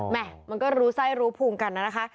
แม่มันก็รู้ไส้รู้ภูมิกันนะนะคะ